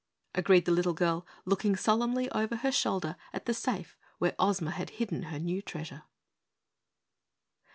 agreed the little girl, looking solemnly over her shoulder at the safe where Ozma had hidden her new treasure.